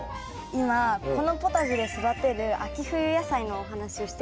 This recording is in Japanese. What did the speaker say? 今このポタジェで育てる秋冬野菜のお話をしてて。